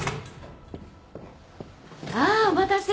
ああお待たせ。